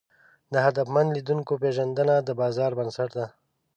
د هدفمن لیدونکو پېژندنه د بازار بنسټ ده.